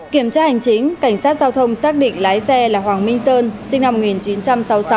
kiểm tra hành chính cảnh sát giao thông xác định lái xe là hoàng minh sơn sinh năm một nghìn chín trăm sáu mươi sáu